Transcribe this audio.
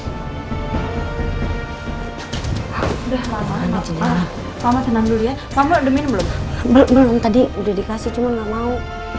udah lama sama senang dulu ya kamu demi belum belum tadi udah dikasih cuma mau